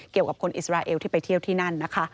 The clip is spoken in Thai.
เกี่ยวกับคนอิสราเอลที่ไปเที่ยวที่นั่นนะคะ